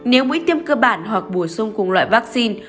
nếu mũi tiêm cơ bản hoặc bổ sung cùng loại vaccine